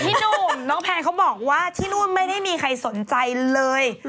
พี่หนุ่มน้องแพนเขาบอกว่าที่นู่นไม่ได้มีใครสนใจเลย